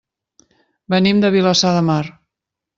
Venim de Vilassar de Mar.